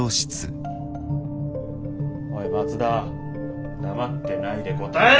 おい松田黙ってないで答えろ！